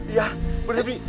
iya bener bi